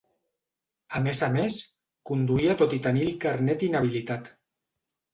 A més a més, conduïa tot i tenir el carnet inhabilitat.